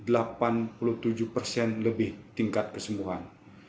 sampai dengan tanggal empat belas oktober dua ribu dua puluh kemarin